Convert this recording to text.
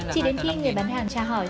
chỉ đến khi người bán hàng tra hỏi